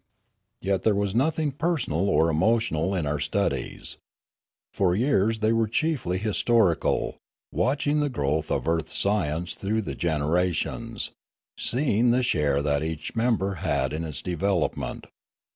Yet there was nothing personal or eniotional in our studies. For years they were chiefly historical, watch ing the growth of earth science through the generations, seeing the share that each member had in its develop ment.